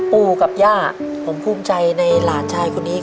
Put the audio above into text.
ปู่กับย่าผมภูมิใจในหลานชายคนนี้